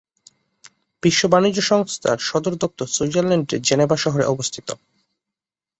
বিশ্ব বাণিজ্য সংস্থার সদর দপ্তর সুইজারল্যান্ডের জেনেভা শহরে অবস্থিত।